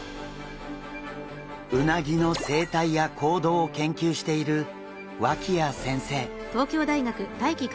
うなぎの生態や行動を研究している脇谷先生。